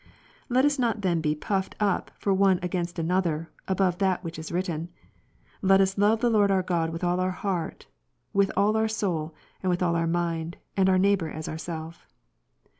Let us not then be puffed l Cor, up for one against another, above that which is written : let '' us love the Lord our God ivith all our heart, with all our soul, and with all our mind : and our neighbour as ourself.